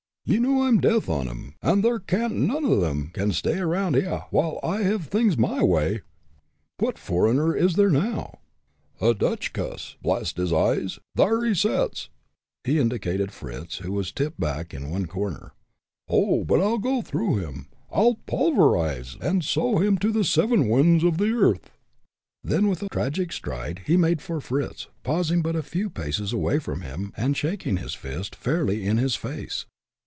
Ye know I'm death on 'em, an' thar can't none o' 'em can stay around hyar, while I hev things my way." "What foreigner is there here, now?" "A Dutch cuss, blarst his eyes! Thar he sets," and he indicated Fritz who was tipped back in one corner. "Oh! but I'll go through him, though! I'll pulverize and sow him to the seven winds of the earth." Then, with a tragic stride, he made for Fritz, pausing but a few paces away from him, and shaking his fist fairly in his face.